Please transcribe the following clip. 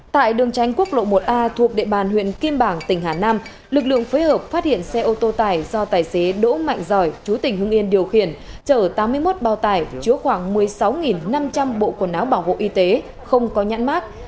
tại đường tránh quốc lộ một a thuộc địa bàn huyện kim bảng tỉnh hà nam lực lượng phối hợp phát hiện xe ô tô tải do tài xế đỗ mạnh giỏi chú tỉnh hưng yên điều khiển chở tám mươi một bao tải chứa khoảng một mươi sáu năm trăm linh bộ quần áo bảo hộ y tế không có nhãn mát